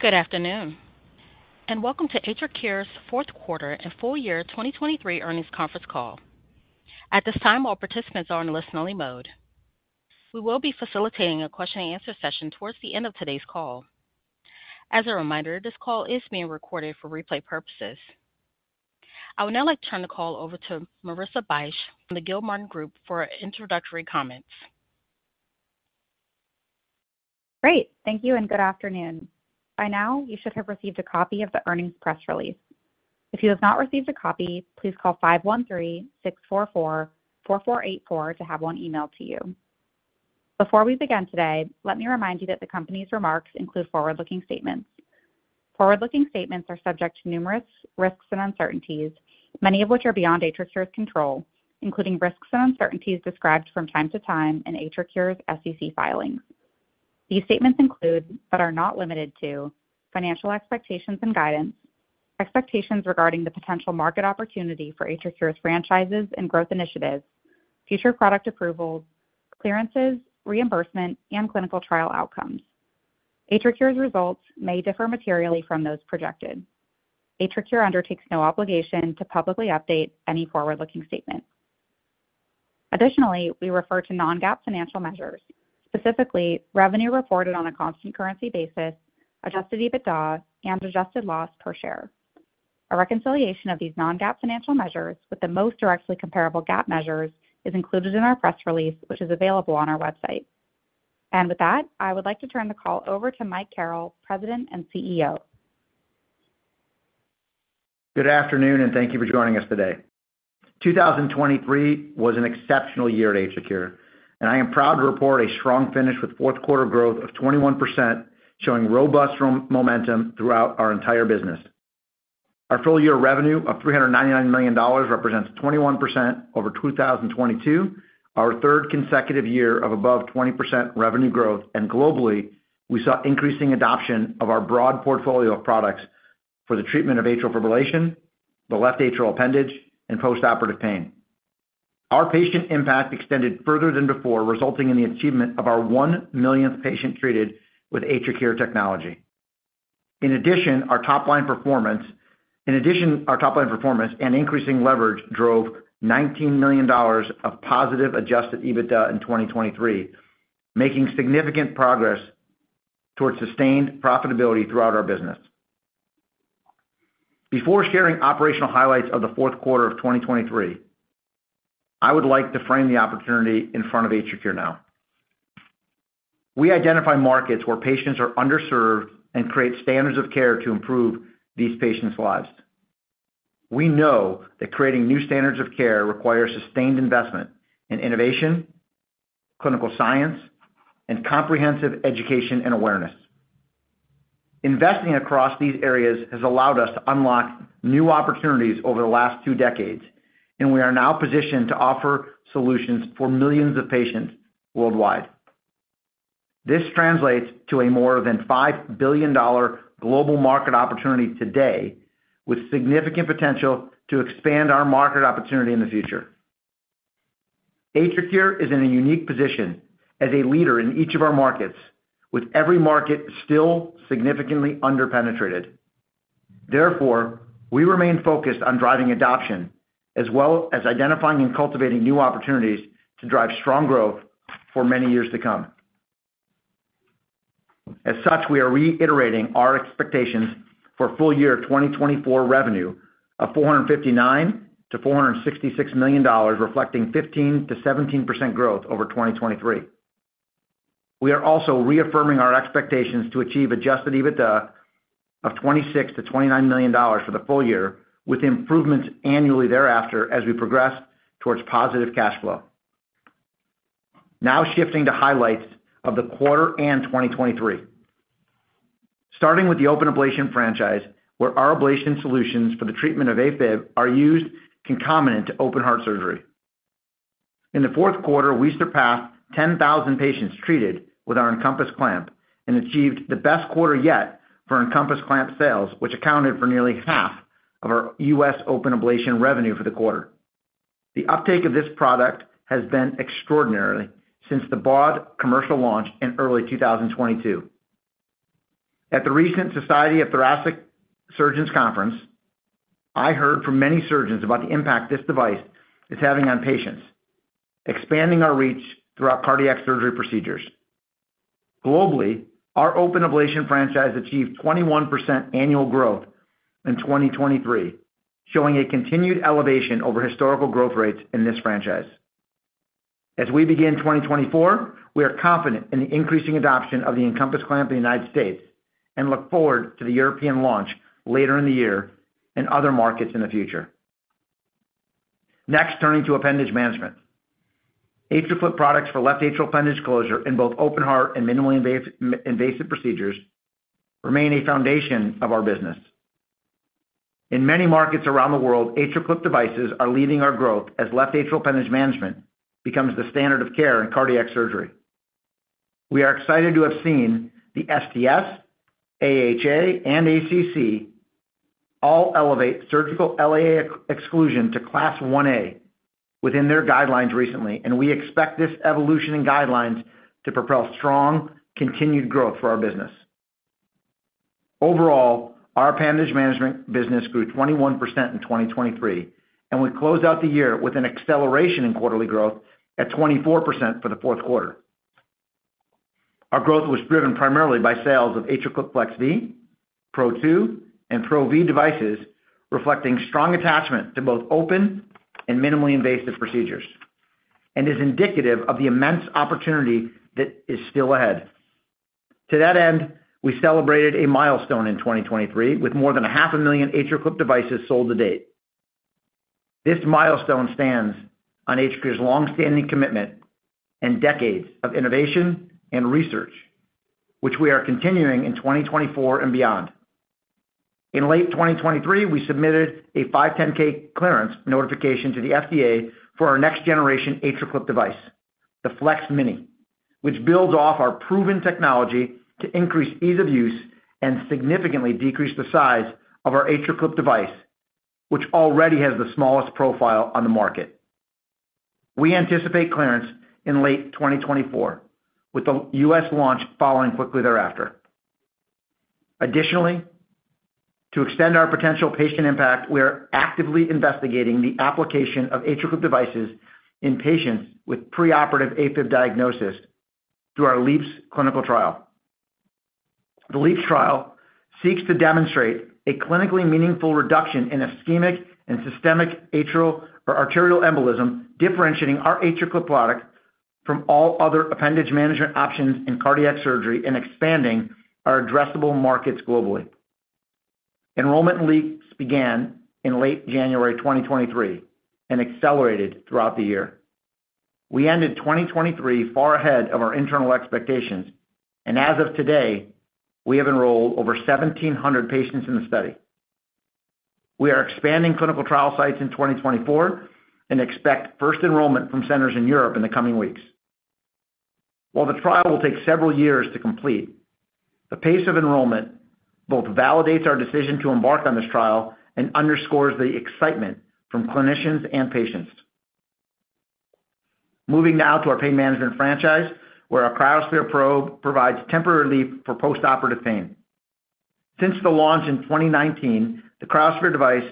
Good afternoon, and welcome to AtriCure's fourth quarter and full year 2023 earnings conference call. At this time, all participants are in listen-only mode. We will be facilitating a question-and-answer session towards the end of today's call. As a reminder, this call is being recorded for replay purposes. I would now like to turn the call over to Marissa Bych from the Gilmartin Group for introductory comments. Great. Thank you and good afternoon. By now, you should have received a copy of the earnings press release. If you have not received a copy, please call 513-644-4484 to have one emailed to you. Before we begin today, let me remind you that the company's remarks include forward-looking statements. Forward-looking statements are subject to numerous risks and uncertainties, many of which are beyond AtriCure's control, including risks and uncertainties described from time to time in AtriCure's SEC filings. These statements include, but are not limited to, financial expectations and guidance, expectations regarding the potential market opportunity for AtriCure's franchises and growth initiatives, future product approvals, clearances, reimbursement, and clinical trial outcomes. AtriCure's results may differ materially from those projected. AtriCure undertakes no obligation to publicly update any forward-looking statement. Additionally, we refer to non-GAAP financial measures, specifically revenue reported on a constant currency basis, Adjusted EBITDA, and adjusted loss per share. A reconciliation of these non-GAAP financial measures with the most directly comparable GAAP measures is included in our press release, which is available on our website. With that, I would like to turn the call over to Mike Carrel, President and CEO. Good afternoon, and thank you for joining us today. 2023 was an exceptional year at AtriCure, and I am proud to report a strong finish with fourth quarter growth of 21%, showing robust room momentum throughout our entire business. Our full-year revenue of $399 million represents 21% over 2022, our third consecutive year of above 20% revenue growth, and globally, we saw increasing adoption of our broad portfolio of products for the treatment of atrial fibrillation, the left atrial appendage, and postoperative pain. Our patient impact extended further than before, resulting in the achievement of our one millionth patient treated with AtriCure technology. In addition, our top-line performance and increasing leverage drove $19 million of positive Adjusted EBITDA in 2023, making significant progress towards sustained profitability throughout our business. Before sharing operational highlights of the fourth quarter of 2023, I would like to frame the opportunity in front of AtriCure now. We identify markets where patients are underserved and create standards of care to improve these patients' lives. We know that creating new standards of care requires sustained investment in innovation, clinical science, and comprehensive education and awareness. Investing across these areas has allowed us to unlock new opportunities over the last two decades, and we are now positioned to offer solutions for millions of patients worldwide. This translates to a more than $5 billion global market opportunity today, with significant potential to expand our market opportunity in the future. AtriCure is in a unique position as a leader in each of our markets, with every market still significantly underpenetrated. Therefore, we remain focused on driving adoption, as well as identifying and cultivating new opportunities to drive strong growth for many years to come. As such, we are reiterating our expectations for full year 2024 revenue of $459 million-$466 million, reflecting 15%-17% growth over 2023. We are also reaffirming our expectations to achieve Adjusted EBITDA of $26 million-$29 million for the full year, with improvements annually thereafter as we progress towards positive cash flow. Now shifting to highlights of the quarter and 2023. Starting with the open ablation franchise, where our ablation solutions for the treatment of AFib are used concomitant to open-heart surgery. In the fourth quarter, we surpassed 10,000 patients treated with our EnCompass Clamp and achieved the best quarter yet for EnCompass Clamp sales, which accounted for nearly half of our U.S. open ablation revenue for the quarter. The uptake of this product has been extraordinary since the broad commercial launch in early 2022. At the recent Society of Thoracic Surgeons Conference, I heard from many surgeons about the impact this device is having on patients, expanding our reach throughout cardiac surgery procedures. Globally, our open ablation franchise achieved 21% annual growth in 2023, showing a continued elevation over historical growth rates in this franchise. As we begin 2024, we are confident in the increasing adoption of the EnCompass Clamp in the United States and look forward to the European launch later in the year and other markets in the future. Next, turning to appendage management. AtriClip products for left atrial appendage closure in both open heart and minimally invasive procedures remain a foundation of our business. In many markets around the world, AtriClip devices are leading our growth as left atrial appendage management becomes the standard of care in cardiac surgery. We are excited to have seen the STS, AHA, and ACC all elevate surgical LAA exclusion to Class 1A within their guidelines recently, and we expect this evolution in guidelines to propel strong, continued growth for our business. Overall, our Appendage Management business grew 21% in 2023, and we closed out the year with an acceleration in quarterly growth at 24% for the fourth quarter. Our growth was driven primarily by sales of AtriClip FLEX V, PRO2, and PRO V devices, reflecting strong attachment to both open and minimally invasive procedures, and is indicative of the immense opportunity that is still ahead. To that end, we celebrated a milestone in 2023 with more than 500,000 AtriClip devices sold to date. This milestone stands on AtriCure's long-standing commitment and decades of innovation and research, which we are continuing in 2024 and beyond. In late 2023, we submitted a 510(k) clearance notification to the FDA for our next generation AtriClip device, the Flex Mini, which builds off our proven technology to increase ease of use and significantly decrease the size of our AtriClip device, which already has the smallest profile on the market. We anticipate clearance in late 2024, with the U.S. launch following quickly thereafter. Additionally, to extend our potential patient impact, we are actively investigating the application of AtriClip devices in patients with preoperative AFib diagnosis through our LEAPS clinical trial. The LEAPS trial seeks to demonstrate a clinically meaningful reduction in ischemic and systemic atrial or arterial embolism, differentiating our AtriClip product from all other appendage management options in cardiac surgery and expanding our addressable markets globally. Enrollment in LEAPS began in late January 2023 and accelerated throughout the year. We ended 2023 far ahead of our internal expectations, and as of today, we have enrolled over 1,700 patients in the study. We are expanding clinical trial sites in 2024 and expect first enrollment from centers in Europe in the coming weeks. While the trial will take several years to complete, the pace of enrollment both validates our decision to embark on this trial and underscores the excitement from clinicians and patients. Moving now to our Pain Management franchise, where our cryoSPHERE Probe provides temporary relief for postoperative pain. Since the launch in 2019, the cryoSPHERE device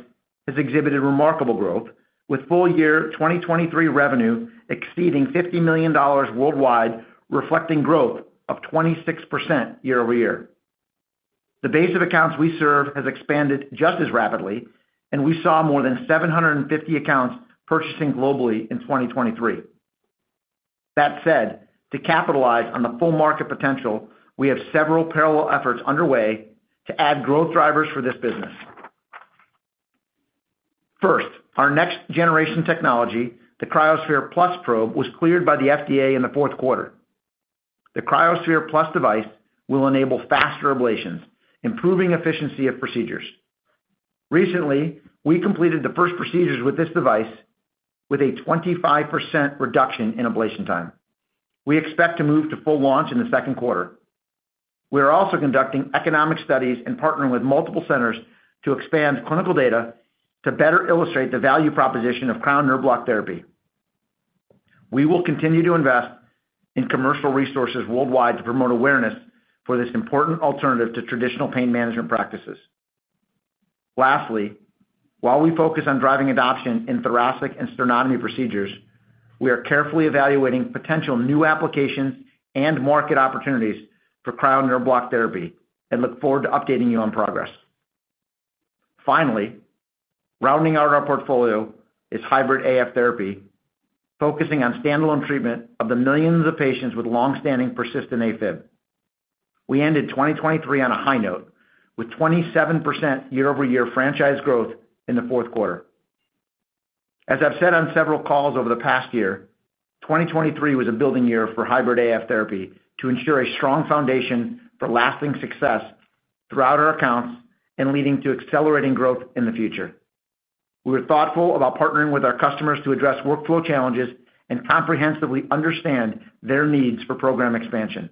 has exhibited remarkable growth, with full year 2023 revenue exceeding $50 million worldwide, reflecting growth of 26% year-over-year. The base of accounts we serve has expanded just as rapidly, and we saw more than 750 accounts purchasing globally in 2023. That said, to capitalize on the full market potential, we have several parallel efforts underway to add growth drivers for this business. First, our next-generation technology, the cryoSPHERE+ Probe, was cleared by the FDA in the fourth quarter. The cryoSPHERE+ device will enable faster ablations, improving efficiency of procedures. Recently, we completed the first procedures with this device with a 25% reduction in ablation time. We expect to move to full launch in the second quarter. We are also conducting economic studies and partnering with multiple centers to expand clinical data to better illustrate the value proposition of Cryo Nerve Block Therapy. We will continue to invest in commercial resources worldwide to promote awareness for this important alternative to traditional pain management practices. Lastly, while we focus on driving adoption in thoracic and sternotomy procedures, we are carefully evaluating potential new applications and market opportunities for Cryo Nerve Block Therapy and look forward to updating you on progress. Finally, rounding out our portfolio is Hybrid AF Therapy, focusing on standalone treatment of the millions of patients with long-standing persistent AFib. We ended 2023 on a high note, with 27% year-over-year franchise growth in the fourth quarter. As I've said on several calls over the past year, 2023 was a building year for hybrid AF therapy to ensure a strong foundation for lasting success throughout our accounts and leading to accelerating growth in the future. We were thoughtful about partnering with our customers to address workflow challenges and comprehensively understand their needs for program expansion.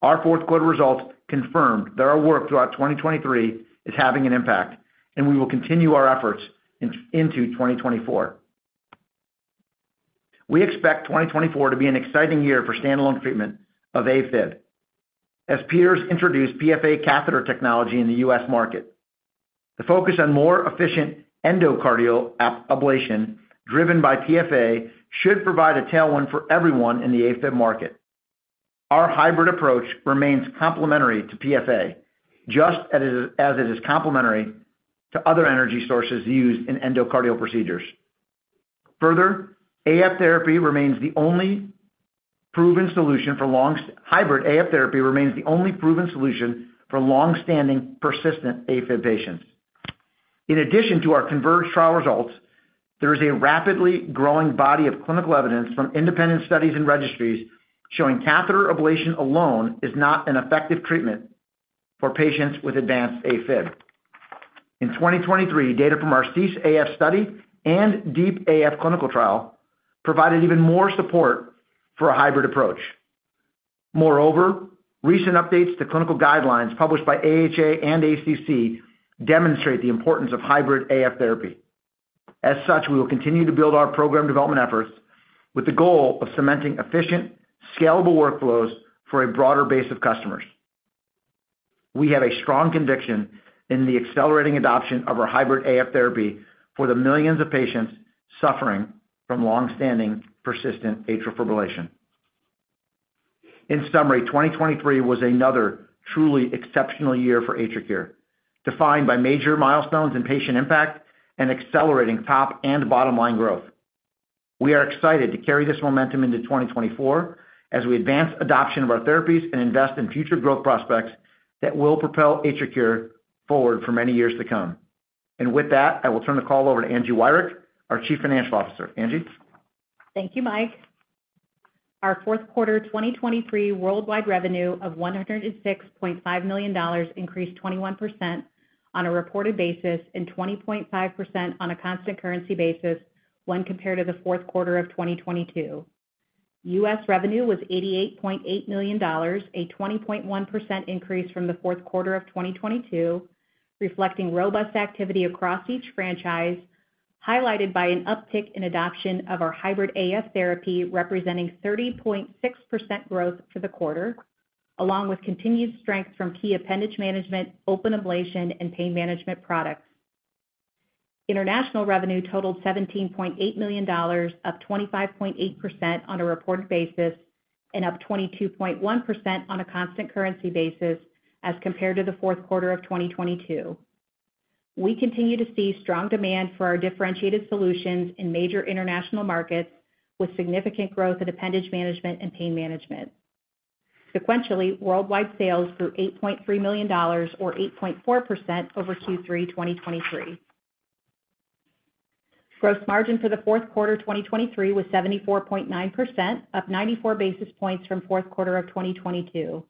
Our fourth quarter results confirmed that our work throughout 2023 is having an impact, and we will continue our efforts into 2024. We expect 2024 to be an exciting year for standalone treatment of AFib. As peers introduce PFA catheter technology in the U.S. market, the focus on more efficient endocardial ablation driven by PFA should provide a tailwind for everyone in the AFib market. Our hybrid approach remains complementary to PFA, just as it is complementary to other energy sources used in endocardial procedures. Further, hybrid AF therapy remains the only proven solution for long-standing persistent AFib patients. In addition to our CONVERGE trial results, there is a rapidly growing body of clinical evidence from independent studies and registries showing catheter ablation alone is not an effective treatment for patients with advanced AFib. In 2023, data from our CEASE AF study and DEEP AF clinical trial provided even more support for a hybrid approach. Moreover, recent updates to clinical guidelines published by AHA and ACC demonstrate the importance of hybrid AF therapy. As such, we will continue to build our program development efforts with the goal of cementing efficient, scalable workflows for a broader base of customers. We have a strong conviction in the accelerating adoption of our hybrid AF therapy for the millions of patients suffering from long-standing persistent atrial fibrillation. In summary, 2023 was another truly exceptional year for AtriCure, defined by major milestones in patient impact and accelerating top and bottom line growth. We are excited to carry this momentum into 2024 as we advance adoption of our therapies and invest in future growth prospects that will propel AtriCure forward for many years to come. With that, I will turn the call over to Angie Wirick, our Chief Financial Officer. Angie? Thank you, Mike. Our fourth quarter 2023 worldwide revenue of $106.5 million increased 21% on a reported basis and 20.5% on a constant currency basis when compared to the fourth quarter of 2022. U.S. revenue was $88.8 million, a 20.1% increase from the fourth quarter of 2022, reflecting robust activity across each franchise, highlighted by an uptick in adoption of our hybrid AF therapy, representing 30.6% growth for the quarter, along with continued strength from key appendage management, open ablation and pain management products. International revenue totaled $17.8 million, up 25.8% on a reported basis and up 22.1% on a constant currency basis as compared to the fourth quarter of 2022. We continue to see strong demand for our differentiated solutions in major international markets, with significant growth in appendage management and pain management. Sequentially, worldwide sales grew $8.3 million or 8.4% over Q3 2023. Gross margin for the fourth quarter 2023 was 74.9%, up 94 basis points from fourth quarter of 2022.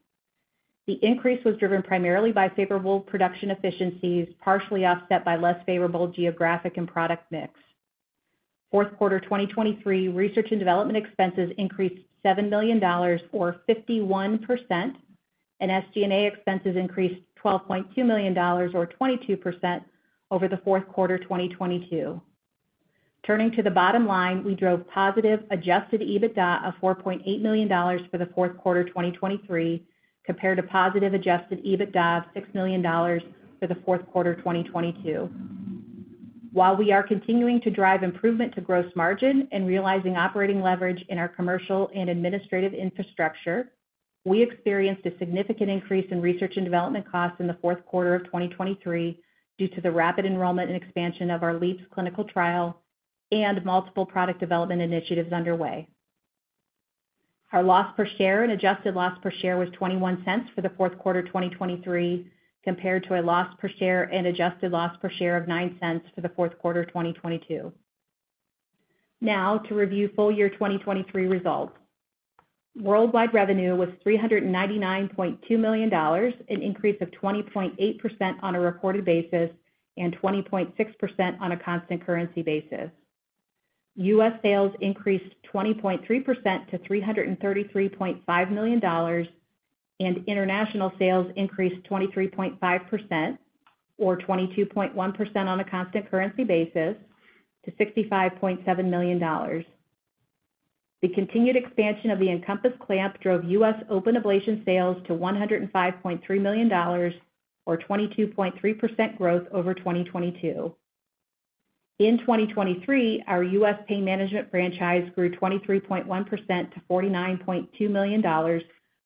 The increase was driven primarily by favorable production efficiencies, partially offset by less favorable geographic and product mix. Fourth quarter 2023 research and development expenses increased $7 million or 51%, and SG&A expenses increased $12.2 million or 22% over the fourth quarter 2022. Turning to the bottom line, we drove positive Adjusted EBITDA of $4.8 million for the fourth quarter 2023, compared to positive Adjusted EBITDA of $6 million for the fourth quarter 2022. While we are continuing to drive improvement to gross margin and realizing operating leverage in our commercial and administrative infrastructure, we experienced a significant increase in research and development costs in the fourth quarter of 2023 due to the rapid enrollment and expansion of our LEAPS clinical trial and multiple product development initiatives underway. Our loss per share and adjusted loss per share was $0.21 for the fourth quarter 2023, compared to a loss per share and adjusted loss per share of $0.09 for the fourth quarter 2022. Now to review full year 2023 results. Worldwide revenue was $399.2 million, an increase of 20.8% on a reported basis and 20.6% on a constant currency basis. U.S. sales increased 20.3% to $333.5 million, and international sales increased 23.5% or 22.1% on a constant currency basis to $65.7 million. The continued expansion of the EnCompass Clamp drove US open ablation sales to $105.3 million or 22.3% growth over 2022. In 2023, our U.S. pain management franchise grew 23.1% to $49.2 million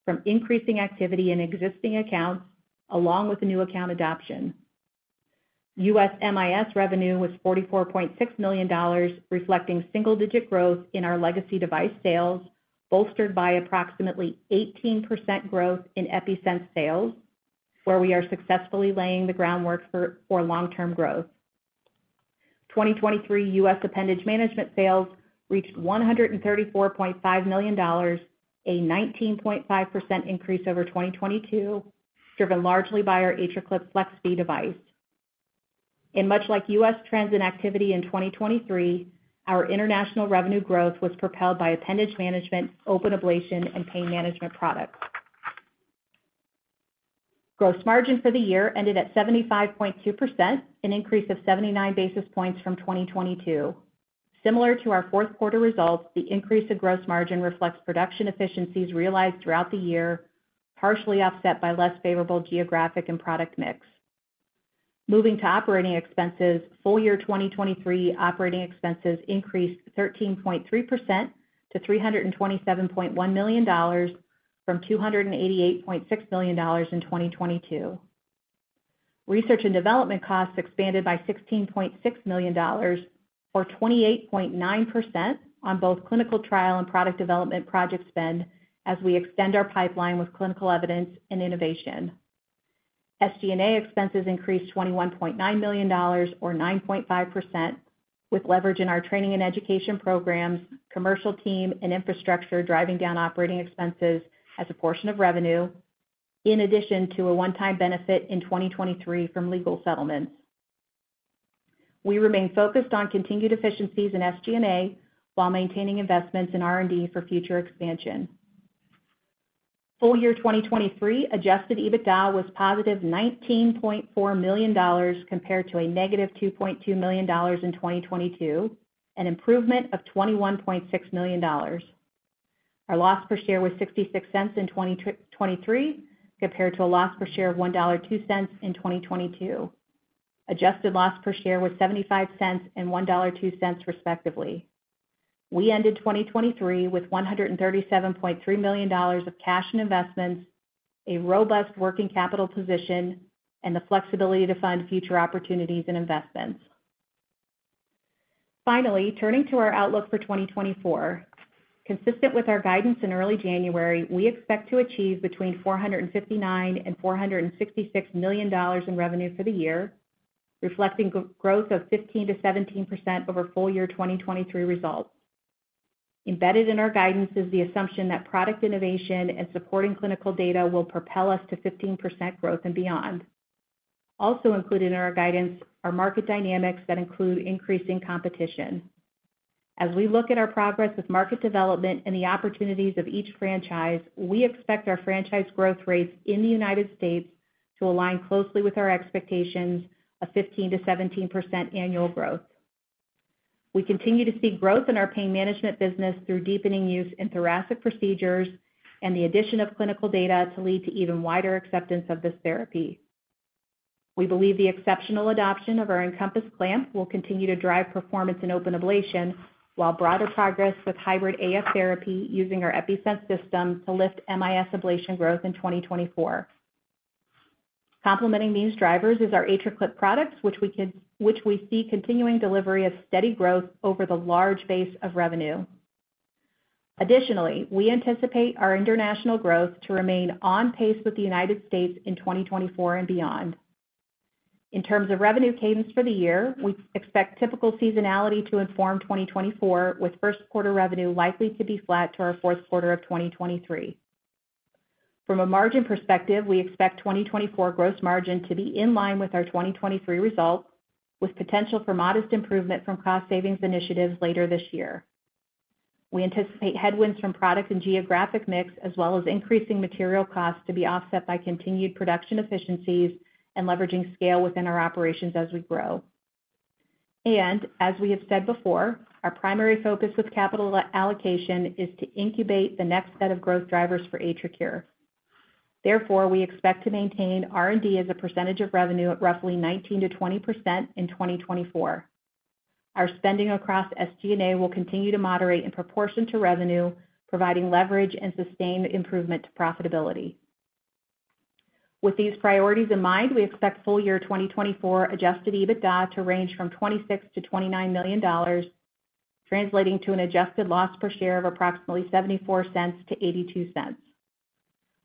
from increasing activity in existing accounts along with the new account adoption. U.S. MIS revenue was $44.6 million, reflecting single-digit growth in our legacy device sales, bolstered by approximately 18% growth in EPi-Sense sales, where we are successfully laying the groundwork for long-term growth. 2023 U.S. appendage management sales reached $134.5 million, a 19.5% increase over 2022, driven largely by our AtriClip FLEX V device. And much like US trends and activity in 2023, our international revenue growth was propelled by appendage management, open ablation and pain management products. Gross margin for the year ended at 75.2%, an increase of 79 basis points from 2022. Similar to our fourth quarter results, the increase of gross margin reflects production efficiencies realized throughout the year, partially offset by less favorable geographic and product mix. Moving to operating expenses, full year 2023 operating expenses increased 13.3% to $327.1 million from $288.6 million in 2022. Research and development costs expanded by $16.6 million, or 28.9% on both clinical trial and product development project spend as we extend our pipeline with clinical evidence and innovation. SG&A expenses increased $21.9 million or 9.5%, with leverage in our training and education programs, commercial team and infrastructure, driving down operating expenses as a portion of revenue, in addition to a one-time benefit in 2023 from legal settlements.... We remain focused on continued efficiencies in SG&A, while maintaining investments in R&D for future expansion. Full year 2023 Adjusted EBITDA was positive $19.4 million compared to a negative $2.2 million in 2022, an improvement of $21.6 million. Our loss per share was $0.66 in 2023, compared to a loss per share of $1.02 in 2022. Adjusted loss per share was $0.75 and $1.02, respectively. We ended 2023 with $137.3 million of cash and investments, a robust working capital position, and the flexibility to fund future opportunities and investments. Finally, turning to our outlook for 2024. Consistent with our guidance in early January, we expect to achieve between $459 million and $466 million in revenue for the year, reflecting growth of 15%-17% over full year 2023 results. Embedded in our guidance is the assumption that product innovation and supporting clinical data will propel us to 15% growth and beyond. Also included in our guidance are market dynamics that include increasing competition. As we look at our progress with market development and the opportunities of each franchise, we expect our franchise growth rates in the United States to align closely with our expectations of 15%-17% annual growth. We continue to see growth in our pain management business through deepening use in thoracic procedures and the addition of clinical data to lead to even wider acceptance of this therapy. We believe the exceptional adoption of our EnCompass Clamp will continue to drive performance in open ablation, while broader progress with hybrid AF therapy using our EPi-Sense system to lift MIS ablation growth in 2024. Complementing these drivers is our AtriClip products, which we see continuing delivery of steady growth over the large base of revenue. Additionally, we anticipate our international growth to remain on pace with the United States in 2024 and beyond. In terms of revenue cadence for the year, we expect typical seasonality to inform 2024, with first quarter revenue likely to be flat to our fourth quarter of 2023. From a margin perspective, we expect 2024 gross margin to be in line with our 2023 results, with potential for modest improvement from cost savings initiatives later this year. We anticipate headwinds from product and geographic mix, as well as increasing material costs to be offset by continued production efficiencies and leveraging scale within our operations as we grow. And as we have said before, our primary focus with capital allocation is to incubate the next set of growth drivers for AtriCure. Therefore, we expect to maintain R&D as a percentage of revenue at roughly 19%-20% in 2024. Our spending across SG&A will continue to moderate in proportion to revenue, providing leverage and sustained improvement to profitability. With these priorities in mind, we expect full year 2024 adjusted EBITDA to range from $26 million-$29 million, translating to an adjusted loss per share of approximately $0.74-$0.82.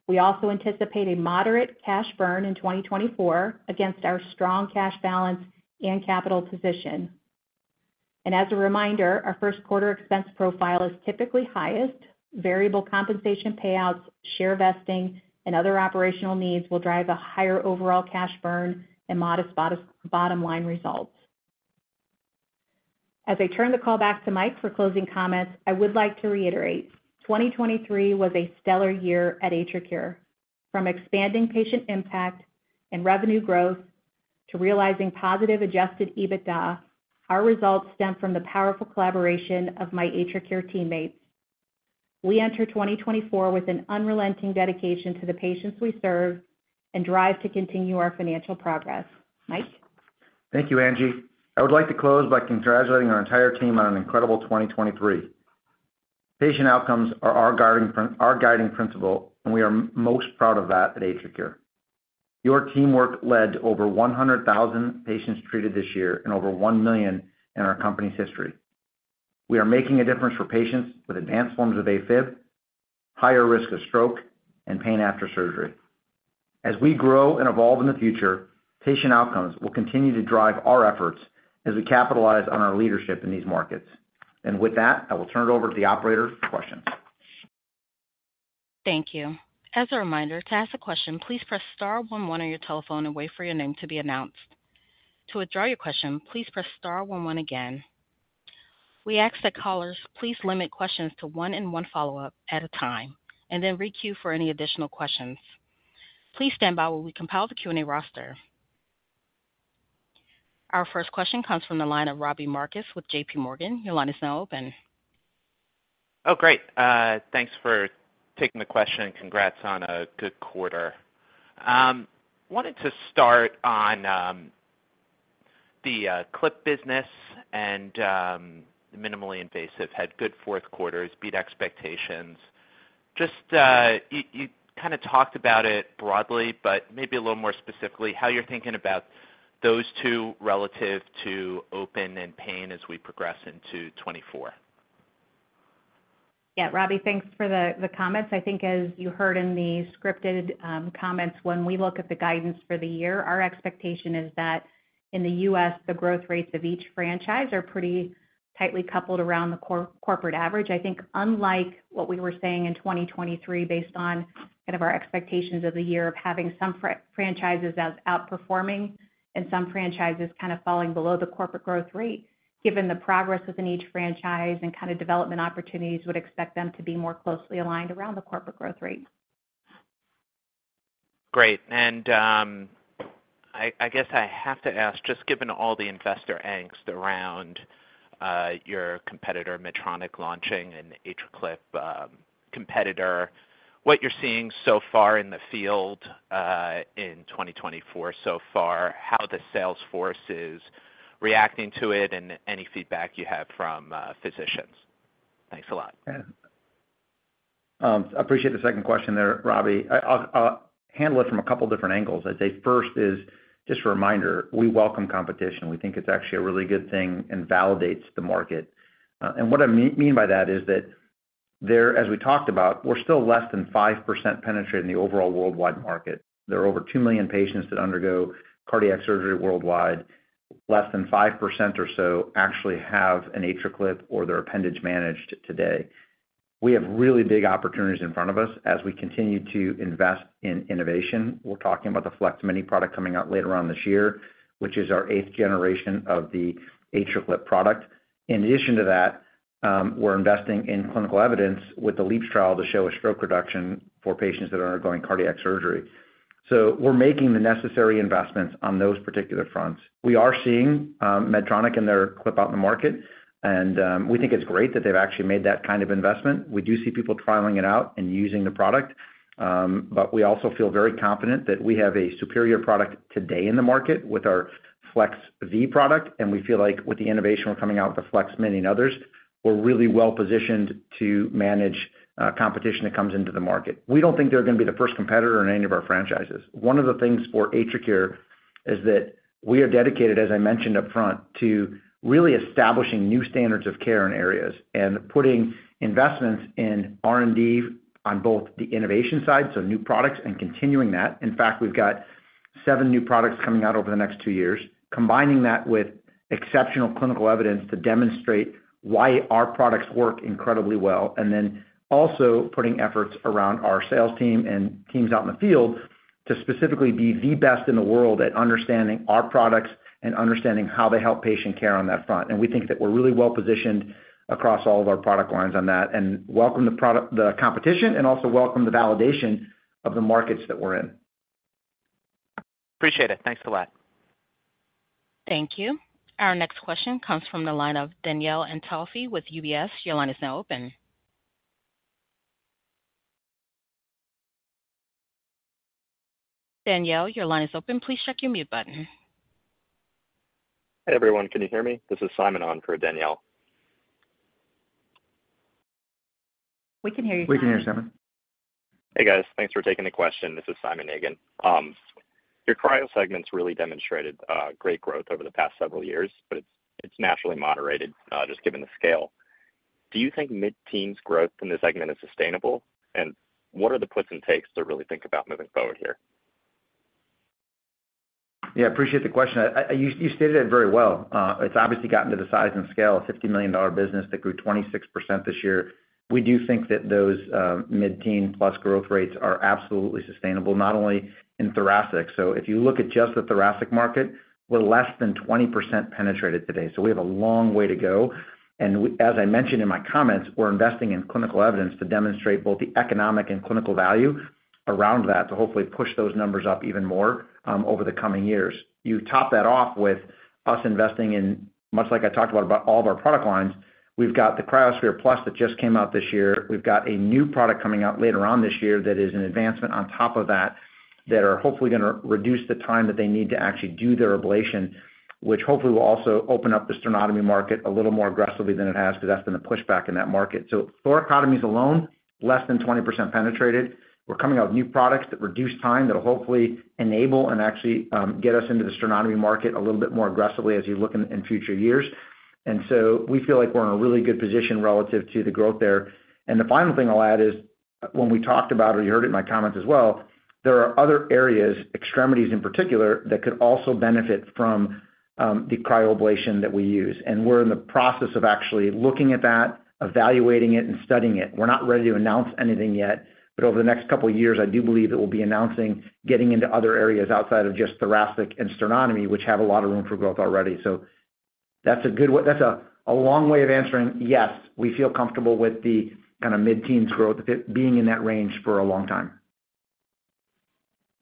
We also anticipate a moderate cash burn in 2024 against our strong cash balance and capital position. As a reminder, our first quarter expense profile is typically highest. Variable compensation payouts, share vesting, and other operational needs will drive a higher overall cash burn and modest bottom line results. As I turn the call back to Mike for closing comments, I would like to reiterate, 2023 was a stellar year at AtriCure. From expanding patient impact and revenue growth, to realizing positive Adjusted EBITDA, our results stem from the powerful collaboration of my AtriCure teammates. We enter 2024 with an unrelenting dedication to the patients we serve and drive to continue our financial progress. Mike? Thank you, Angie. I would like to close by congratulating our entire team on an incredible 2023. Patient outcomes are our guiding principle, and we are most proud of that at AtriCure. Your teamwork led to over 100,000 patients treated this year and over 1 million in our company's history. We are making a difference for patients with advanced forms of AFib, higher risk of stroke, and pain after surgery. As we grow and evolve in the future, patient outcomes will continue to drive our efforts as we capitalize on our leadership in these markets. With that, I will turn it over to the operator for questions. Thank you. As a reminder, to ask a question, please press star one one on your telephone and wait for your name to be announced. To withdraw your question, please press star one one again. We ask that callers, please limit questions to one and one follow-up at a time, and then re queue for any additional questions. Please stand by while we compile the Q&A roster. Our first question comes from the line of Robbie Marcus with J.P. Morgan. Your line is now open. Oh, great. Thanks for taking the question, and congrats on a good quarter. Wanted to start on the Clip business and Minimally Invasive had good fourth quarters, beat expectations. You kind of talked about it broadly, but maybe a little more specifically, how you're thinking about those two relative to open and pain as we progress into 2024. Yeah, Robbie, thanks for the comments. I think as you heard in the scripted comments, when we look at the guidance for the year, our expectation is that in the U.S., the growth rates of each franchise are pretty tightly coupled around the corporate average. I think unlike what we were saying in 2023, based on kind of our expectations of the year of having some franchises as outperforming and some franchises kind of falling below the corporate growth rate, given the progress within each franchise and kind of development opportunities, would expect them to be more closely aligned around the corporate growth rate. Great. And, I guess I have to ask, just given all the investor angst around, your competitor, Medtronic, launching an AtriClip, competitor, what you're seeing so far in the field, in 2024 so far, how the sales force is reacting to it, and any feedback you have from, physicians? Thanks a lot. Yeah. I appreciate the second question there, Robbie. I'll handle it from a couple different angles. I'd say first is just a reminder, we welcome competition. We think it's actually a really good thing and validates the market. And what I mean by that is that there, as we talked about, we're still less than 5% penetration in the overall worldwide market. There are over 2 million patients that undergo cardiac surgery worldwide. Less than 5% or so actually have an AtriClip or their appendage managed today. We have really big opportunities in front of us as we continue to invest in innovation. We're talking about the Flex Mini product coming out later on this year, which is our eighth generation of the AtriClip product. In addition to that, we're investing in clinical evidence with the LEAPS trial to show a stroke reduction for patients that are undergoing cardiac surgery. So we're making the necessary investments on those particular fronts. We are seeing Medtronic and their clip out in the market, and we think it's great that they've actually made that kind of investment. We do see people trialing it out and using the product, but we also feel very confident that we have a superior product today in the market with our Flex V product, and we feel like with the innovation, we're coming out with the Flex Mini and others, we're really well positioned to manage competition that comes into the market. We don't think they're going to be the first competitor in any of our franchises. One of the things for AtriCure is that we are dedicated, as I mentioned up front, to really establishing new standards of care in areas, and putting investments in R&D on both the innovation side, so new products, and continuing that. In fact, we've got seven new products coming out over the next two years, combining that with exceptional clinical evidence to demonstrate why our products work incredibly well, and then also putting efforts around our sales team and teams out in the field to specifically be the best in the world at understanding our products and understanding how they help patient care on that front. And we think that we're really well positioned across all of our product lines on that, and welcome the product, the competition, and also welcome the validation of the markets that we're in. Appreciate it. Thanks a lot. Thank you. Our next question comes from the line of Danielle Antalffy with UBS. Your line is now open. Danielle, your line is open. Please check your mute button. Hey, everyone. Can you hear me? This is Simon on for Danielle. We can hear you, Simon. We can hear you, Simon. Hey, guys. Thanks for taking the question. This is Simon Negin. Your cryo segment's really demonstrated great growth over the past several years, but it's, it's naturally moderated just given the scale. Do you think mid-teens growth in this segment is sustainable? And what are the puts and takes to really think about moving forward here? Yeah, I appreciate the question. You stated it very well. It's obviously gotten to the size and scale, a $50 million business that grew 26% this year. We do think that those mid-teen + growth rates are absolutely sustainable, not only in thoracic. So if you look at just the thoracic market, we're less than 20% penetrated today, so we have a long way to go. As I mentioned in my comments, we're investing in clinical evidence to demonstrate both the economic and clinical value around that to hopefully push those numbers up even more over the coming years. You top that off with us investing in much like I talked about, about all of our product lines, we've got the cryoSPHERE+ that just came out this year. We've got a new product coming out later on this year that is an advancement on top of that, that are hopefully going to reduce the time that they need to actually do their ablation, which hopefully will also open up the sternotomy market a little more aggressively than it has, because that's been the pushback in that market. So thoracotomies alone, less than 20% penetrated. We're coming out with new products that reduce time, that will hopefully enable and actually, get us into the sternotomy market a little bit more aggressively as you look in future years. And so we feel like we're in a really good position relative to the growth there. The final thing I'll add is, when we talked about, or you heard it in my comments as well, there are other areas, extremities in particular, that could also benefit from the cryoablation that we use. We're in the process of actually looking at that, evaluating it and studying it. We're not ready to announce anything yet, but over the next couple of years, I do believe that we'll be announcing getting into other areas outside of just thoracic and sternotomy, which have a lot of room for growth already. So that's a good way, that's a long way of answering, yes, we feel comfortable with the kind of mid-teens growth, it being in that range for a long time.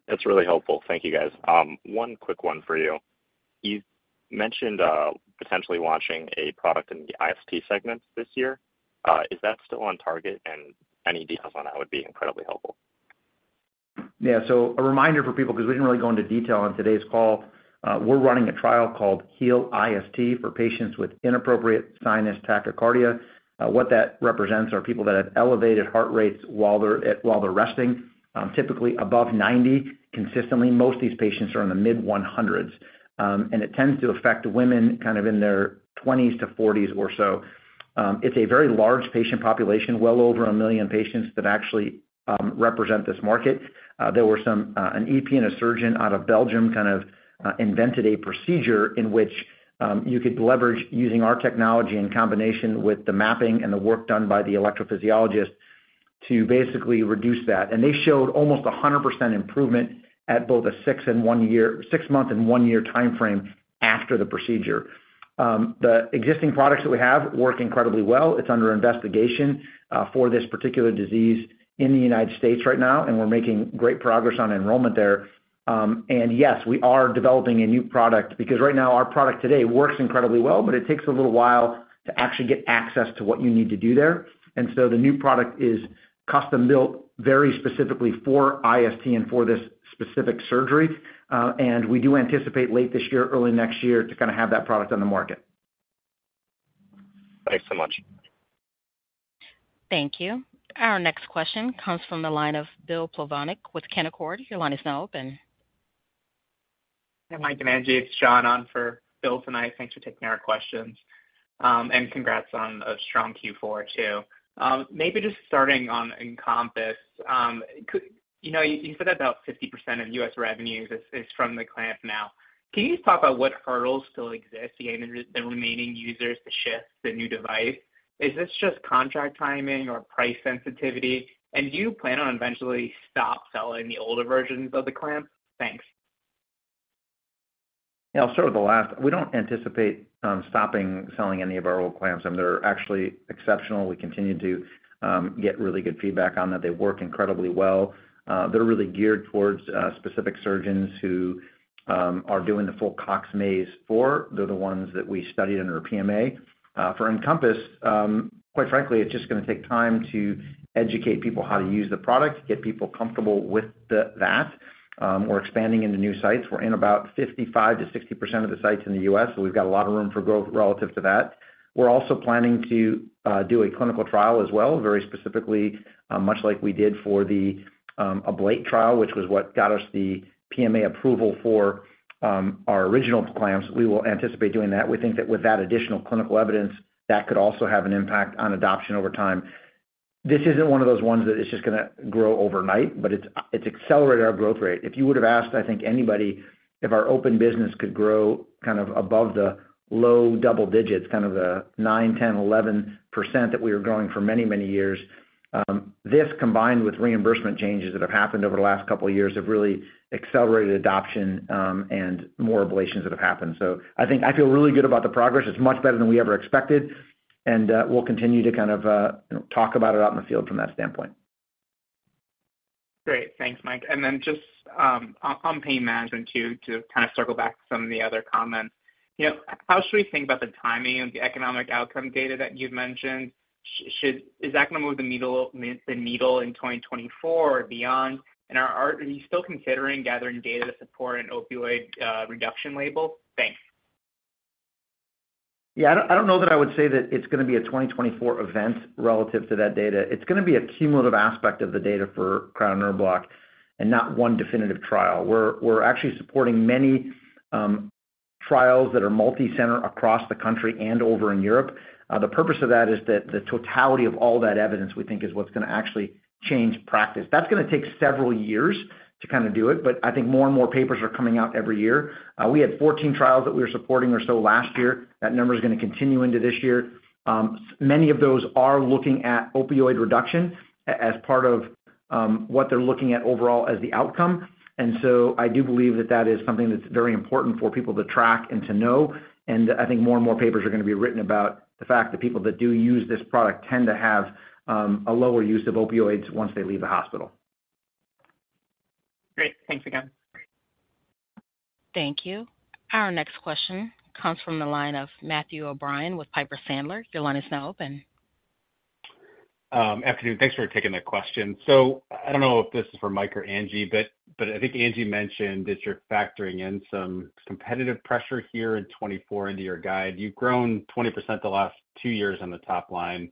That's really helpful. Thank you, guys. One quick one for you. You mentioned potentially launching a product in the IST segment this year. Is that still on target? And any details on that would be incredibly helpful. Yeah. So a reminder for people, because we didn't really go into detail on today's call. We're running a trial called HEAL-IST for patients with inappropriate sinus tachycardia. What that represents are people that have elevated heart rates while they're resting, typically above 90, consistently. Most of these patients are in the mid-100s. It tends to affect women kind of in their 20s to 40s or so. It's a very large patient population, well over 1 million patients that actually represent this market. There were some, an EP and a surgeon out of Belgium kind of invented a procedure in which you could leverage using our technology in combination with the mapping and the work done by the electrophysiologist to basically reduce that. They showed almost 100% improvement at both a six-month and one-year time frame after the procedure. The existing products that we have work incredibly well. It's under investigation for this particular disease in the United States right now, and we're making great progress on enrollment there. And yes, we are developing a new product because right now, our product today works incredibly well, but it takes a little while to actually get access to what you need to do there. And so the new product is custom-built very specifically for IST and for this specific surgery. And we do anticipate late this year, early next year, to kind of have that product on the market. Thanks so much. Thank you. Our next question comes from the line of Bill Plovanic with Canaccord. Your line is now open. Hey, Mike and Angie, it's John on for Bill tonight. Thanks for taking our questions. Congrats on a strong Q4, too. Maybe just starting on EnCompass. Could you know, you said about 50% of U.S. revenues is, is from the clamp now. Can you just talk about what hurdles still exist to get the, the remaining users to shift the new device? Is this just contract timing or price sensitivity? And do you plan on eventually stop selling the older versions of the clamp? Thanks. Yeah, I'll start with the last. We don't anticipate stopping selling any of our old clamps, and they're actually exceptional. We continue to get really good feedback on that. They work incredibly well. They're really geared towards specific surgeons who are doing the full Cox-Maze IV. They're the ones that we studied under our PMA. For EnCompass, quite frankly, it's just going to take time to educate people how to use the product, get people comfortable with that. We're expanding into new sites. We're in about 55%-60% of the sites in the U.S., so we've got a lot of room for growth relative to that. We're also planning to do a clinical trial as well, very specifically, much like we did for the Ablate trial, which was what got us the PMA approval for our original clamps. We will anticipate doing that. We think that with that additional clinical evidence, that could also have an impact on adoption over time. This isn't one of those ones that is just going to grow overnight, but it's accelerated our growth rate. If you would have asked, I think anybody, if our open business could grow kind of above the low double digits, kind of the 9%, 10%, 11% that we were growing for many, many years, this combined with reimbursement changes that have happened over the last couple of years, have really accelerated adoption, and more ablations that have happened. So I think I feel really good about the progress. It's much better than we ever expected, and we'll continue to kind of talk about it out in the field from that standpoint. Great. Thanks, Mike. And then just on pain management, too, to kind of circle back to some of the other comments. You know, how should we think about the timing of the economic outcome data that you've mentioned? Should is that going to move the needle in 2024 or beyond? And are you still considering gathering data to support an opioid reduction label? Thanks. Yeah, I don't know that I would say that it's going to be a 2024 event relative to that data. It's going to be a cumulative aspect of the data for cryo and nerve block and not one definitive trial. We're actually supporting many trials that are multi-center across the country and over in Europe. The purpose of that is that the totality of all that evidence, we think, is what's going to actually change practice. That's going to take several years to kind of do it, but I think more and more papers are coming out every year. We had 14 trials that we were supporting or so last year. That number is going to continue into this year. Many of those are looking at opioid reduction as part of what they're looking at overall as the outcome. So I do believe that that is something that's very important for people to track and to know. I think more and more papers are going to be written about the fact that people that do use this product tend to have a lower use of opioids once they leave the hospital. Great. Thanks again. Thank you. Our next question comes from the line of Matthew O'Brien with Piper Sandler. Your line is now open. Afternoon. Thanks for taking the question. So I don't know if this is for Mike or Angie, but I think Angie mentioned that you're factoring in some competitive pressure here in 2024 into your guide. You've grown 20% the last two years on the top line.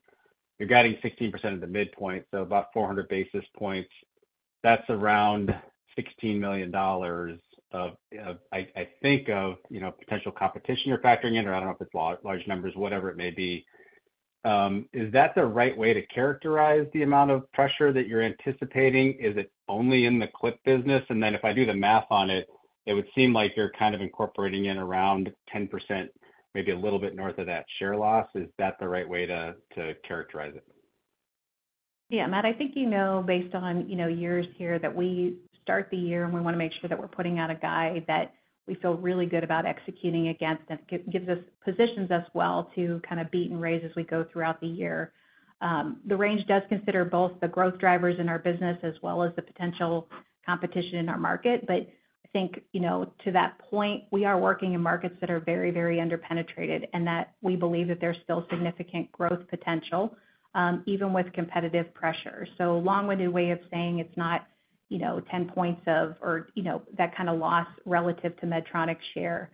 You're guiding 16% at the midpoint, so about 400 basis points. That's around $16 million of, I think of, you know, potential competition you're factoring in, or I don't know if it's large numbers, whatever it may be. Is that the right way to characterize the amount of pressure that you're anticipating? Is it only in the clip business? And then if I do the math on it, it would seem like you're kind of incorporating in around 10%, maybe a little bit north of that share loss. Is that the right way to characterize it? Yeah, Matt, I think you know, based on, you know, years here, that we start the year, and we want to make sure that we're putting out a guide that we feel really good about executing against, and gives us positions us well to kind of beat and raise as we go throughout the year. The range does consider both the growth drivers in our business as well as the potential competition in our market. But I think, you know, to that point, we are working in markets that are very, very underpenetrated, and that we believe that there's still significant growth potential, even with competitive pressure. So a long-winded way of saying it's not, you know, 10 points of or, you know, that kind of loss relative to Medtronic share.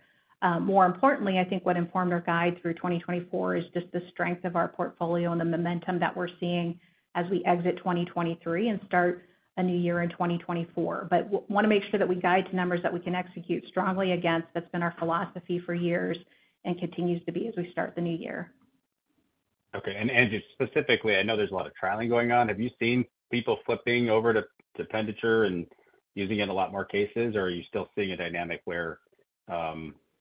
More importantly, I think what informed our guide through 2024 is just the strength of our portfolio and the momentum that we're seeing as we exit 2023 and start a new year in 2024. But we want to make sure that we guide to numbers that we can execute strongly against. That's been our philosophy for years and continues to be as we start the new year. Okay, and just specifically, I know there's a lot of trialing going on. Have you seen people flipping over to the appendage and using it in a lot more cases? Or are you still seeing a dynamic where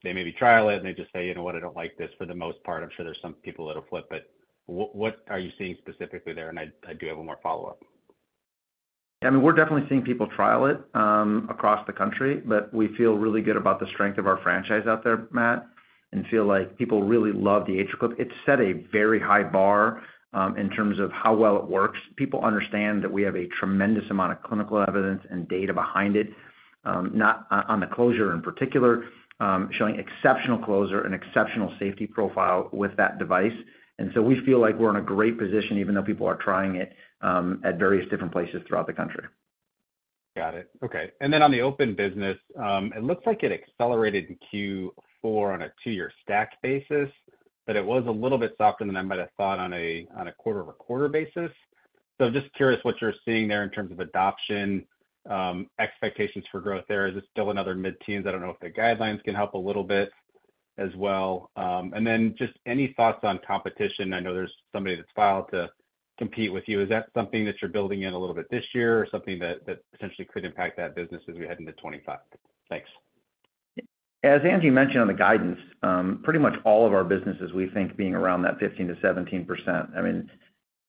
they maybe trial it, and they just say, "You know what? I don't like this for the most part." I'm sure there's some people that'll flip it. But what are you seeing specifically there? And I do have one more follow-up. I mean, we're definitely seeing people trial it, across the country, but we feel really good about the strength of our franchise out there, Matt, and feel like people really love the AtriClip. It set a very high bar, in terms of how well it works. People understand that we have a tremendous amount of clinical evidence and data behind it, not on, on the closure in particular, showing exceptional closure and exceptional safety profile with that device. And so we feel like we're in a great position, even though people are trying it, at various different places throughout the country. Got it. Okay. And then on the open business, it looks like it accelerated in Q4 on a two-year stacked basis, but it was a little bit softer than I might have thought on a quarter-over-quarter basis. So just curious what you're seeing there in terms of adoption, expectations for growth there. Is it still another mid-teens? I don't know if the guidelines can help a little bit as well. And then just any thoughts on competition? I know there's somebody that's filed to compete with you. Is that something that you're building in a little bit this year, or something that essentially could impact that business as we head into 2025? Thanks. As Angie mentioned on the guidance, pretty much all of our businesses, we think being around that 15%-17%. I mean,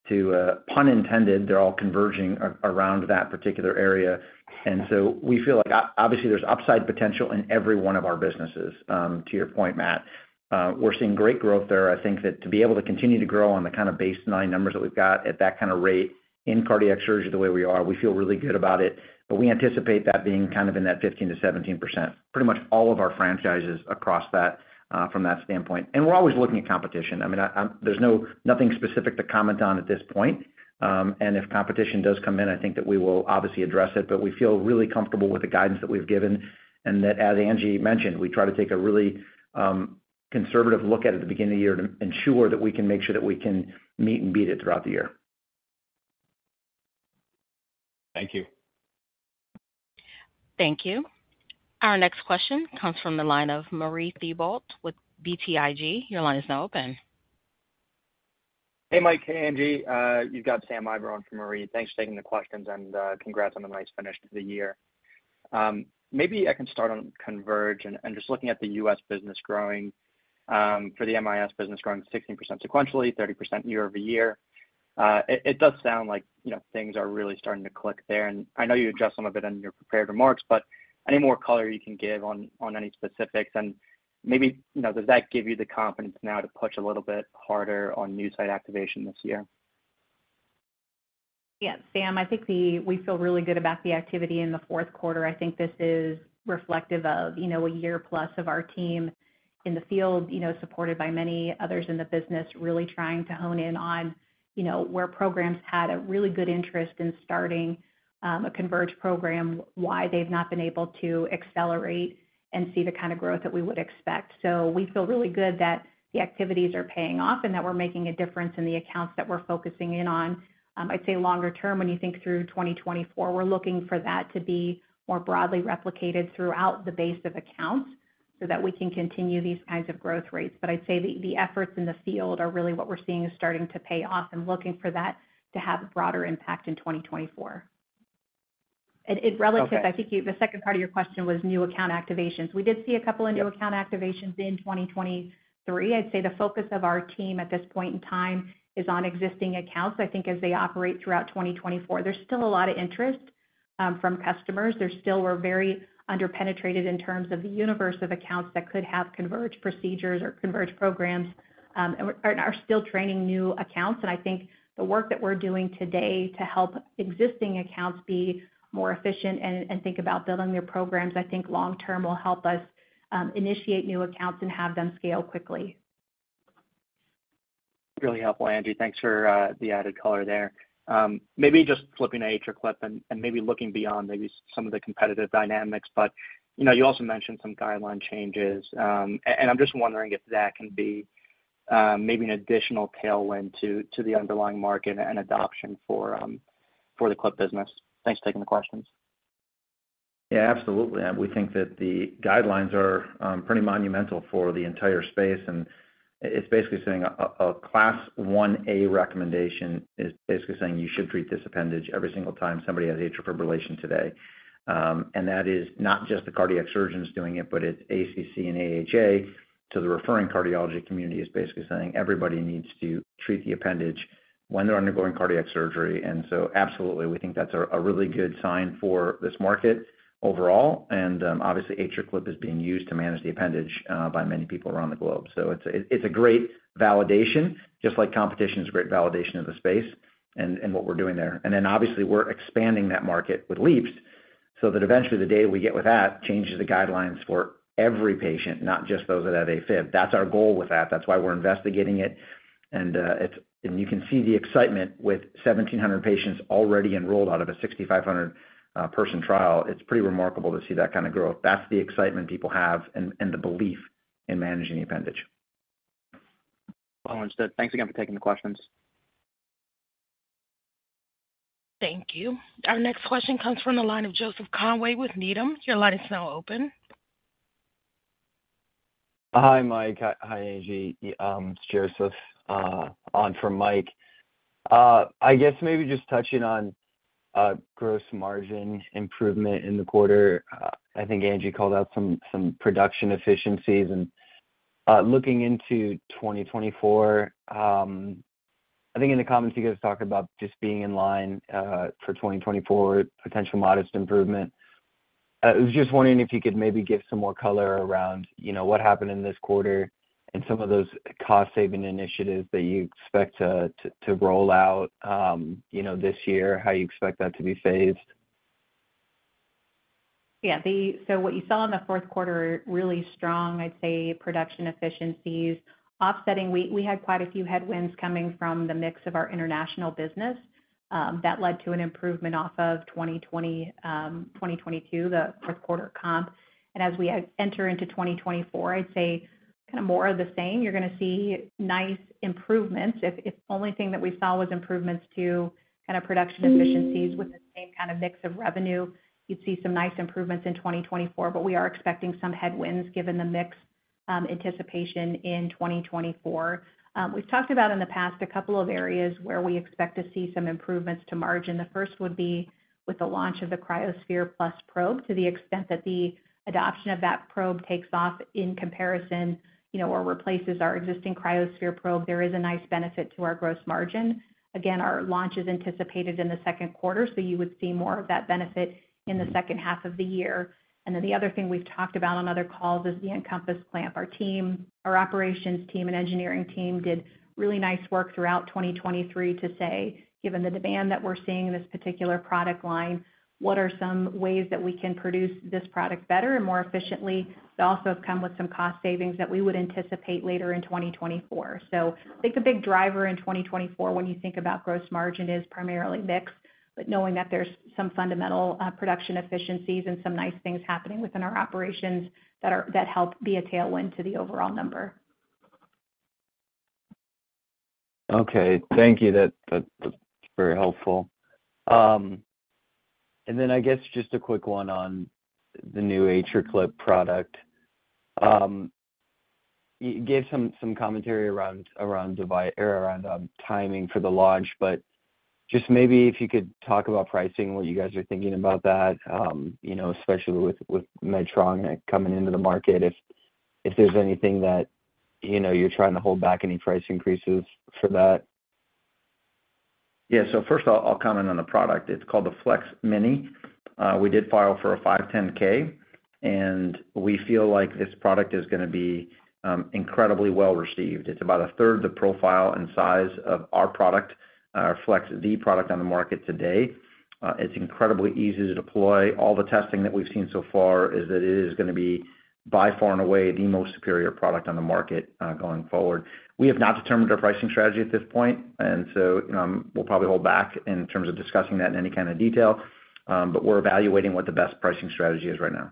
to pun intended, they're all converging around that particular area. And so we feel like obviously, there's upside potential in every one of our businesses, to your point, Matt. We're seeing great growth there. I think that to be able to continue to grow on the kind of baseline numbers that we've got at that kind of rate in cardiac surgery the way we are, we feel really good about it. But we anticipate that being kind of in that 15%-17%. Pretty much all of our franchises across that, from that standpoint. And we're always looking at competition. I mean, there's no nothing specific to comment on at this point. If competition does come in, I think that we will obviously address it, but we feel really comfortable with the guidance that we've given, and that as Angie mentioned, we try to take a really conservative look at it at the beginning of the year to ensure that we can make sure that we can meet and beat it throughout the year. Thank you. Thank you. Our next question comes from the line of Marie Thibault with BTIG. Your line is now open. Hey, Mike. Hey, Angie. You've got Sam Eiber on for Marie. Thanks for taking the questions, and, congrats on the nice finish to the year. Maybe I can start on CONVERGE and just looking at the U.S. business growing, for the MIS business growing 16% sequentially, 30% year-over-year. It does sound like, you know, things are really starting to click there, and I know you addressed some of it in your prepared remarks, but any more color you can give on any specifics? And maybe, you know, does that give you the confidence now to push a little bit harder on new site activation this year? Yeah, Sam, I think we feel really good about the activity in the fourth quarter. I think this is reflective of, you know, a year plus of our team in the field, you know, supported by many others in the business, really trying to hone in on, you know, where programs had a really good interest in starting a CONVERGE program, why they've not been able to accelerate and see the kind of growth that we would expect. So we feel really good that the activities are paying off and that we're making a difference in the accounts that we're focusing in on. I'd say longer term, when you think through 2024, we're looking for that to be more broadly replicated throughout the base of accounts so that we can continue these kinds of growth rates. But I'd say the efforts in the field are really what we're seeing is starting to pay off and looking for that to have a broader impact in 2024. And it relative- Okay. I think you, the second part of your question was new account activations. We did see a couple of new account activations in 2023. I'd say the focus of our team at this point in time is on existing accounts. I think as they operate throughout 2024, there's still a lot of interest from customers. They're still, we're very underpenetrated in terms of the universe of accounts that could have CONVERGE procedures or CONVERGE programs, and we are still training new accounts. And I think the work that we're doing today to help existing accounts be more efficient and think about building their programs, I think long term will help us initiate new accounts and have them scale quickly. Really helpful, Angie. Thanks for the added color there. Maybe just flipping AtriClip and maybe looking beyond maybe some of the competitive dynamics, but you know, you also mentioned some guideline changes. I'm just wondering if that can be maybe an additional tailwind to the underlying market and adoption for the Clip business. Thanks for taking the questions. Yeah, absolutely. We think that the guidelines are pretty monumental for the entire space, and it's basically saying a Class 1A recommendation is basically saying you should treat this appendage every single time somebody has atrial fibrillation today. And that is not just the cardiac surgeons doing it, but it's ACC and AHA to the referring cardiology community, is basically saying everybody needs to treat the appendage when they're undergoing cardiac surgery. So absolutely, we think that's a really good sign for this market overall. And obviously, AtriClip is being used to manage the appendage by many people around the globe. So it's a great validation, just like competition is a great validation of the space and what we're doing there. And then obviously, we're expanding that market with LEAPS, so that eventually the day we get with that changes the guidelines for every patient, not just those that have AFib. That's our goal with that. That's why we're investigating it. And, it's and you can see the excitement with 1,700 patients already enrolled out of a 6,500-person trial. It's pretty remarkable to see that kind of growth. That's the excitement people have and, and the belief in managing the appendage. Well understood. Thanks again for taking the questions. Thank you. Our next question comes from the line of Joseph Conway with Needham. Your line is now open. Hi, Mike. Hi, Angie. It's Joseph on for Mike. I guess maybe just touching on gross margin improvement in the quarter. I think Angie called out some production efficiencies. Looking into 2024, I think in the comments, you guys talked about just being in line for 2024, potential modest improvement. I was just wondering if you could maybe give some more color around, you know, what happened in this quarter and some of those cost-saving initiatives that you expect to roll out, you know, this year, how you expect that to be phased. Yeah, so what you saw in the fourth quarter, really strong, I'd say, production efficiencies. Offsetting, we had quite a few headwinds coming from the mix of our international business that led to an improvement off of 2020, 2022, the fourth quarter comp. And as we enter into 2024, I'd say kind of more of the same. You're going to see nice improvements. If the only thing that we saw was improvements to kind of production efficiencies with the same kind of mix of revenue, you'd see some nice improvements in 2024, but we are expecting some headwinds given the mix anticipation in 2024. We've talked about in the past, a couple of areas where we expect to see some improvements to margin. The first would be with the launch of the cryoSPHERE+ probe. To the extent that the adoption of that probe takes off in comparison, you know, or replaces our existing cryoSPHERE probe, there is a nice benefit to our gross margin. Again, our launch is anticipated in the second quarter, so you would see more of that benefit in the second half of the year. And then the other thing we've talked about on other calls is the EnCompass clamp. Our team, our operations team and engineering team did really nice work throughout 2023 to say, given the demand that we're seeing in this particular product line, what are some ways that we can produce this product better and more efficiently? It also has come with some cost savings that we would anticipate later in 2024. I think the big driver in 2024, when you think about gross margin, is primarily mix, but knowing that there's some fundamental, production efficiencies and some nice things happening within our operations that are, that help be a tailwind to the overall number. Okay. Thank you. That was very helpful. And then I guess just a quick one on the new AtriClip product. You gave some commentary around timing for the launch, but just maybe if you could talk about pricing, what you guys are thinking about that, you know, especially with Medtronic coming into the market, if there's anything that, you know, you're trying to hold back any price increases for that. Yeah. So first, I'll comment on the product. It's called the Flex Mini. We did file for a 510(k), and we feel like this product is going to be incredibly well received. It's about a third the profile and size of our product, our FLEX V product on the market today. It's incredibly easy to deploy. All the testing that we've seen so far is that it is going to be by far and away the most superior product on the market going forward. We have not determined our pricing strategy at this point, and so we'll probably hold back in terms of discussing that in any kind of detail. But we're evaluating what the best pricing strategy is right now.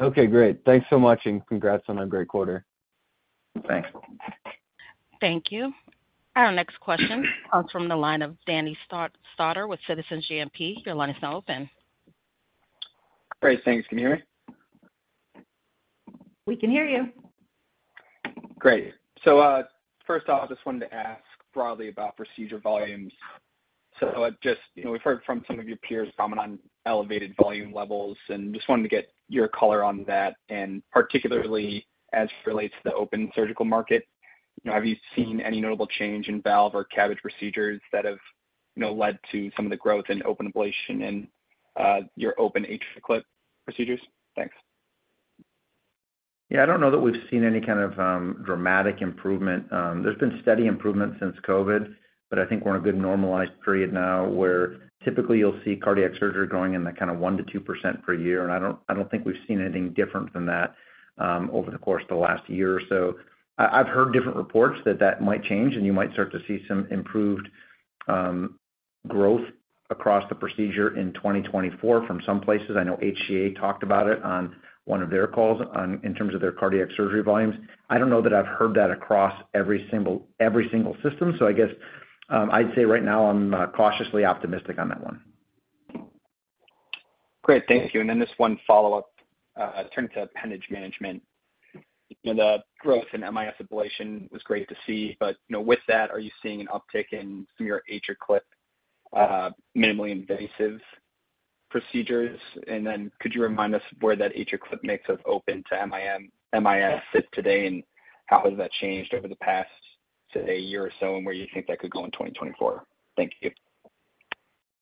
Okay, great. Thanks so much, and congrats on a great quarter. Thanks. Thank you. Our next question comes from the line of Danny Stauder with Citizens JMP. Your line is now open. Great, thanks. Can you hear me? We can hear you. Great. So, first off, I just wanted to ask broadly about procedure volumes. So just, you know, we've heard from some of your peers comment on elevated volume levels, and just wanted to get your color on that, and particularly as it relates to the open surgical market. You know, have you seen any notable change in valve or CABG procedures that have, you know, led to some of the growth in open ablation and your open AtriClip procedures? Thanks. Yeah, I don't know that we've seen any kind of dramatic improvement. There's been steady improvement since COVID, but I think we're in a good normalized period now, where typically you'll see cardiac surgery growing in the kind of 1%-2% per year. And I don't, I don't think we've seen anything different from that over the course of the last year or so. I've heard different reports that that might change, and you might start to see some improved growth across the procedure in 2024 from some places. I know HCA talked about it on one of their calls on, in terms of their cardiac surgery volumes. I don't know that I've heard that across every single, every single system, so I guess I'd say right now, I'm cautiously optimistic on that one. Great. Thank you. And then just one follow-up, turning to appendage management. You know, the growth in MIS ablation was great to see, but, you know, with that, are you seeing an uptick in some of your AtriClip minimally invasive procedures? And then could you remind us where that AtriClip mix of open to MIS sits today, and how has that changed over the past, say, year or so, and where you think that could go in 2024? Thank you.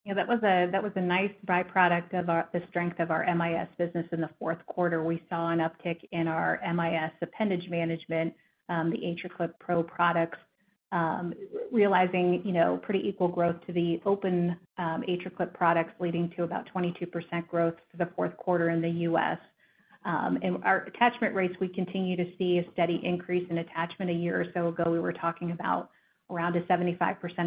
Yeah, that was a nice byproduct of the strength of our MIS business in the fourth quarter. We saw an uptick in our MIS appendage management, the AtriClip PRO products, realizing, you know, pretty equal growth to the open AtriClip products, leading to about 22% growth for the fourth quarter in the U.S. And our attachment rates, we continue to see a steady increase in attachment. A year or so ago, we were talking about around a 75%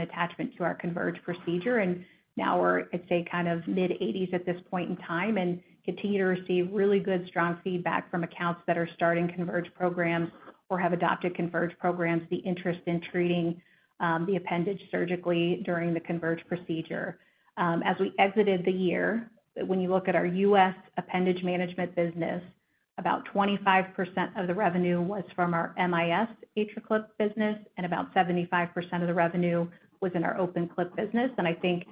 attachment to our Converge procedure, and now we're at, say, kind of mid-80s% at this point in time, and continue to receive really good, strong feedback from accounts that are starting Converge programs or have adopted Converge programs, the interest in treating the appendage surgically during the Converge procedure. As we exited the year, when you look at our U.S. appendage management business, about 25% of the revenue was from our MIS AtriClip business, and about 75% of the revenue was in our open clip business. I think,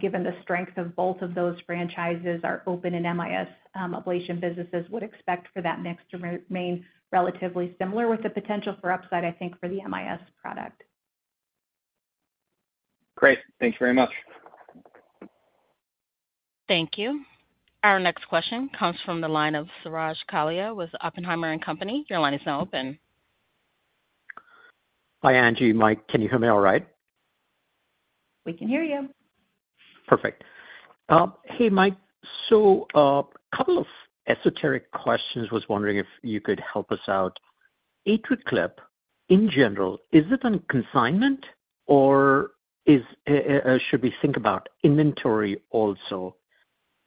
given the strength of both of those franchises, our open and MIS ablation businesses would expect for that mix to remain relatively similar, with the potential for upside, I think, for the MIS product. Great. Thank you very much. Thank you. Our next question comes from the line of Suraj Kalia with Oppenheimer & Company. Your line is now open. Hi, Angie, Mike, can you hear me all right? We can hear you. Perfect. Hey, Mike. So, couple of esoteric questions. Was wondering if you could help us out. AtriClip, in general, is it on consignment or should we think about inventory also?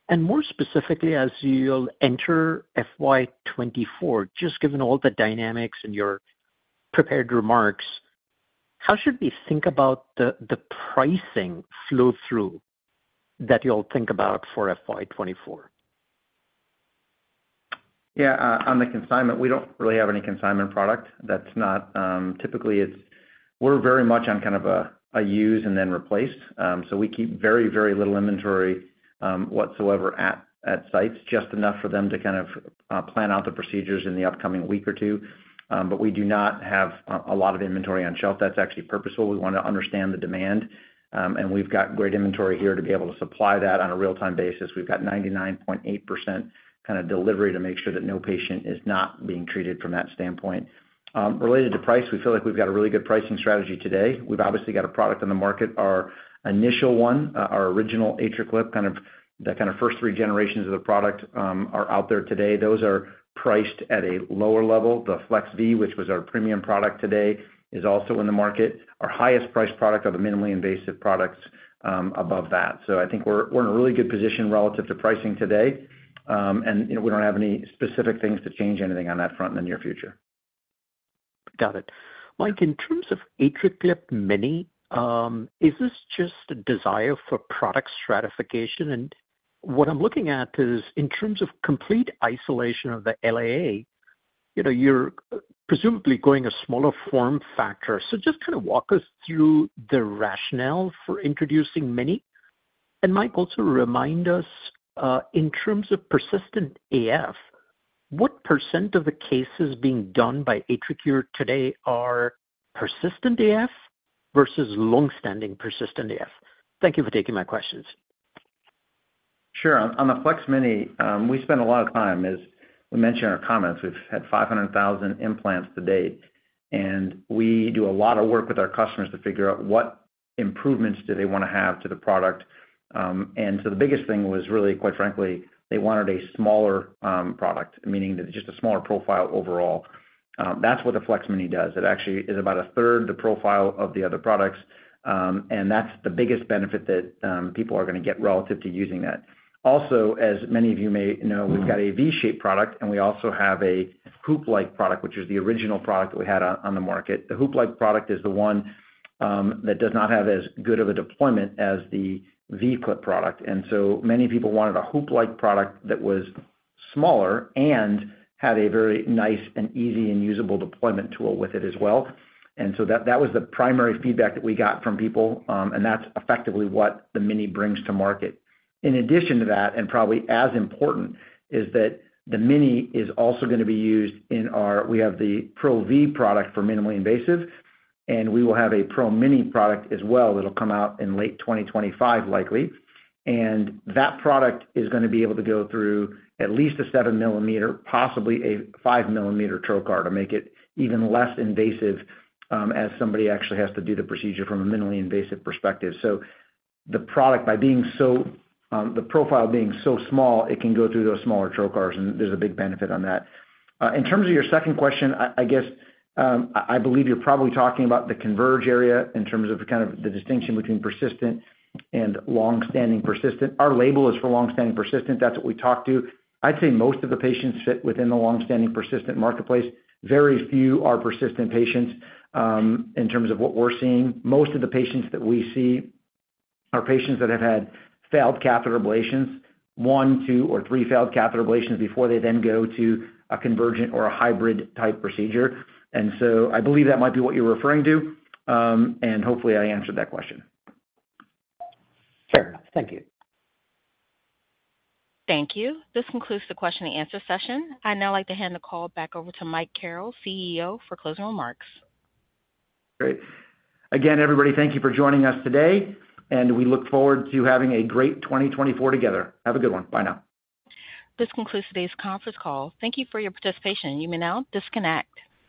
And more specifically, as you'll enter FY 2024, just given all the dynamics in your prepared remarks, how should we think about the pricing flow-through that you'll think about for FY 2024? Yeah, on the consignment, we don't really have any consignment product. That's not typically. We're very much on kind of a use and then replaced. So we keep very, very little inventory whatsoever at sites, just enough for them to kind of plan out the procedures in the upcoming week or two. But we do not have a lot of inventory on shelf. That's actually purposeful. We want to understand the demand, and we've got great inventory here to be able to supply that on a real-time basis. We've got 99.8 kind of delivery to make sure that no patient is not being treated from that standpoint. Related to price, we feel like we've got a really good pricing strategy today. We've obviously got a product on the market, our initial one, our original AtriClip, the first three generations of the product, are out there today. Those are priced at a lower level. The Flex V, which was our premium product today, is also in the market. Our highest priced product are the minimally invasive products, above that. So I think we're, we're in a really good position relative to pricing today. And, you know, we don't have any specific things to change anything on that front in the near future. Got it. Mike, in terms of AtriClip Mini, is this just a desire for product stratification? And what I'm looking at is, in terms of complete isolation of the LAA, you know, you're presumably going a smaller form factor. So just kind of walk us through the rationale for introducing Mini. And Mike, also remind us, in terms of persistent AF, what % of the cases being done by AtriCure today are persistent AF versus long-standing persistent AF? Thank you for taking my questions. Sure. On the Flex Mini, we spend a lot of time, as we mentioned in our comments, we've had 500,000 implants to date, and we do a lot of work with our customers to figure out what improvements do they want to have to the product. And so the biggest thing was really, quite frankly, they wanted a smaller product, meaning just a smaller profile overall. That's what the Flex Mini does. It actually is about a third the profile of the other products, and that's the biggest benefit that people are going to get relative to using that. Also, as many of you may know, we've got a V-shaped product, and we also have a hoop-like product, which is the original product that we had on the market. The hoop-like product is the one that does not have as good of a deployment as the V clip product, and so many people wanted a hoop-like product that was smaller and had a very nice and easy and usable deployment tool with it as well. And so that was the primary feedback that we got from people, and that's effectively what the Mini brings to market. In addition to that, and probably as important, is that the Mini is also going to be used in our—we have the PRO V product for minimally invasive, and we will have a PRO Mini product as well. It'll come out in late 2025, likely. That product is going to be able to go through at least a 7-mm, possibly a 5-mm trocar to make it even less invasive, as somebody actually has to do the procedure from a minimally invasive perspective. So the product, by being so, the profile being so small, it can go through those smaller trocars, and there's a big benefit on that. In terms of your second question, I guess, I believe you're probably talking about the CONVERGE area in terms of the kind of the distinction between persistent and long-standing persistent. Our label is for long-standing persistent. That's what we talk to. I'd say most of the patients sit within the long-standing persistent marketplace. Very few are persistent patients, in terms of what we're seeing. Most of the patients that we see are patients that have had failed catheter ablations, one, two, or three failed catheter ablations before they then go to a convergent or a hybrid-type procedure. And so I believe that might be what you're referring to, and hopefully I answered that question. Sure. Thank you. Thank you. This concludes the question and answer session. I'd now like to hand the call back over to Mike Carrel, CEO, for closing remarks. Great. Again, everybody, thank you for joining us today, and we look forward to having a great 2024 together. Have a good one. Bye now. This concludes today's conference call. Thank you for your participation. You may now disconnect.